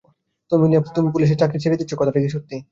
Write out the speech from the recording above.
তো, অ্যামেলিয়া, তুমি পুলিশের চাকরি ছেড়ে দিচ্ছ কথাটি কী সত্যি?